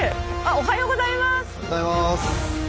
おはようございます。